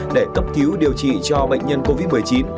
để cấp cứu điều trị cho bệnh nhân covid một mươi chín